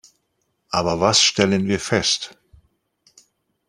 Aber was stellen wir fest?